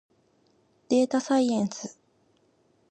でーたさいえんす。